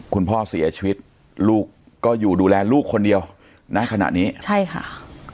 คุณพ่อเสียชีวิตลูกก็อยู่ดูแลลูกคนเดียวนะขณะนี้ใช่ค่ะ